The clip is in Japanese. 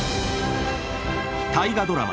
大河ドラマ